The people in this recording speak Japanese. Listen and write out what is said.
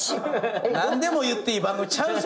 何でも言っていい番組ちゃうぞ。